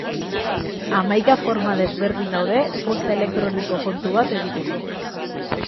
Hamaika forma desberdin daude posta elektroniko kontu bat egiteko.